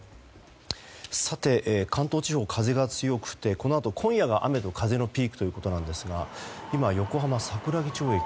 関東地方、風が強くてこのあと今夜が雨と風のピークということですが今、横浜・桜木町駅。